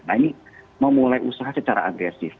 nah ini memulai usaha secara agresif